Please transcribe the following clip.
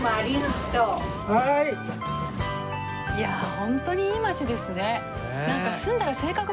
ホントにいい街ですね。